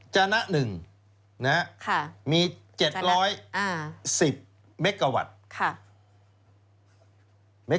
ชนะ๑มี๗๑๐เมกาวัตต์